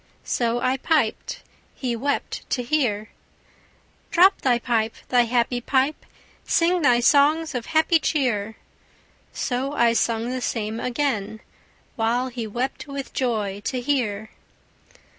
So I piped: he wept to hear. 'Drop thy pipe, thy happy pipe; Sing thy songs of happy cheer!' So I sung the same again, While he wept with joy to hear.